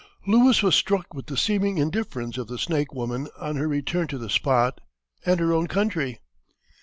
Lewis was struck with the seeming indifference of the Snake woman on her return to the spot and her own country.